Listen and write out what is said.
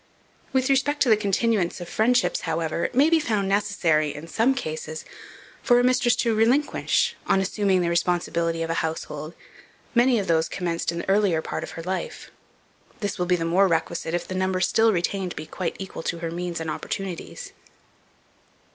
With respect to the continuance of friendships, however, it may be found necessary, in some cases, for a mistress to relinquish, on assuming the responsibility of a household, many of those commenced in the earlier part of her life. This will be the more requisite, if the number still retained be quite equal to her means and opportunities.